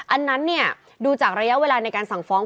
อันนั้นเนี่ยดูจากระยะเวลาในการสั่งฟ้อง